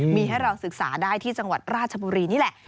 มีให้เราศึกษาได้ที่จังหวัดราชบุรีนี่แหละ